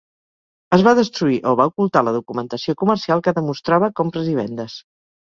Es va destruir o va ocultar la documentació comercial que demostrava compres i vendes.